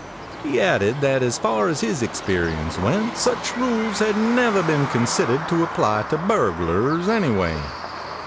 He added that as far as his experience went, such rules had never been considered to apply to burglars, anyway.